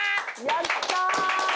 やったー！